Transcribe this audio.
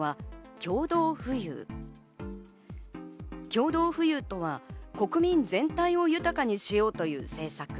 共同富裕とは国民全体を豊かにしようという政策。